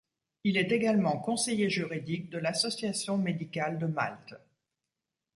Il est également conseiller juridique de l'Association médicale de Malte.